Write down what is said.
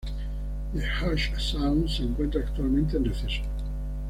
The Hush Sound se encuentra actualmente en receso.